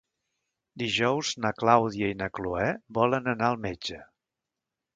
Dijous na Clàudia i na Cloè volen anar al metge.